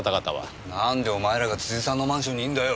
なんでお前らが辻さんのマンションにいるんだよ！？